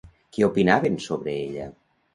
Què opinaven sobre ella?